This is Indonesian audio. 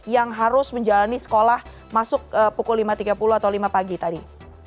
yang harus menjalani sekolah masuk pukul lima tiga puluh atau lima pagi tadi